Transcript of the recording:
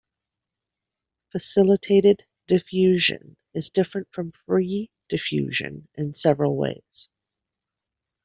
Facilitated diffusion is different from free diffusion in several ways.